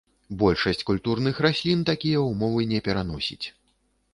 Большасць культурных раслін такія ўмовы не пераносіць.